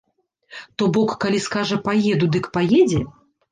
То бок, калі скажа паеду, дык паедзе?